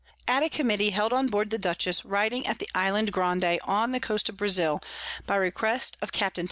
At a Committee held on board the Dutchess riding at the Island Grande on the Coast of Brazile, by Request of Capt. _Tho.